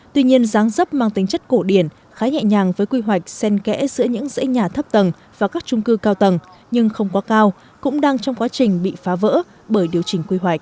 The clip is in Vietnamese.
tuy nhiên giáng dấp mang tính chất cổ điển khá nhẹ nhàng với quy hoạch sen kẽ giữa những dãy nhà thấp tầng và các trung cư cao tầng nhưng không quá cao cũng đang trong quá trình bị phá vỡ bởi điều chỉnh quy hoạch